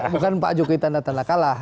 bukan pak jokowi tanda tanda kalah